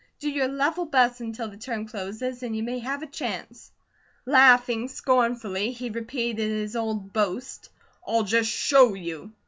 Do your level best until the term closes, and you may have a chance." Laughing scornfully, he repeated his old boast: "I'll just show you!"